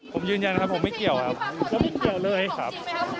ผมยืนยันครับผมไม่เกี่ยวครับ